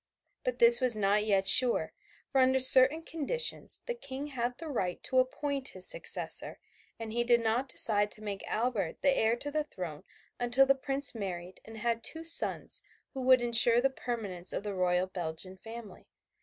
But this was not yet sure, for under certain conditions the King had the right to appoint his successor, and he did not decide to make Albert the heir to the throne until the Prince married and had two sons who would ensure the permanence of the royal Belgian family.